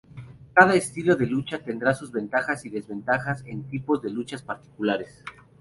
Cada estilo de lucha tendrá sus ventajas y desventajas en tipos de luchas particulares.